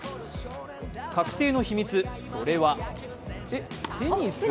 覚醒の秘密、それはテニス？